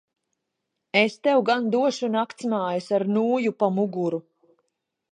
Es tev gan došu naktsmājas ar nūju pa muguru.